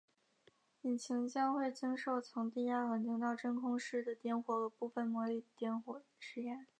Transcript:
引擎将会经受从低压环境到真空室的点火和部分模拟点火实验。